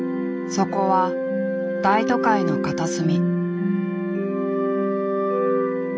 そこは大都会の片隅。